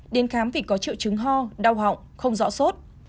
đến khám vì có triệu chứng ho đau họng không rõ sốt